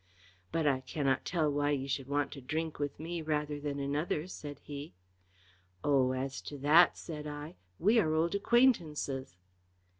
"But I cannot tell why you should want to drink with me rather than another," said he. "Oh! as to that," said I, "we are old acquaintances."